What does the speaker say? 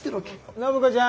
暢子ちゃん。